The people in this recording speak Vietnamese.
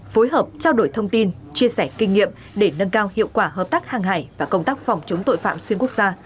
phối hợp trao đổi thông tin chia sẻ kinh nghiệm để nâng cao hiệu quả hợp tác hàng hải và công tác phòng chống tội phạm xuyên quốc gia